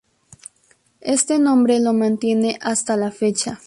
Este nombre lo mantiene hasta la fecha.